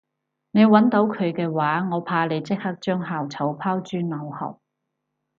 你搵到佢嘅話我怕你即刻將校草拋諸腦後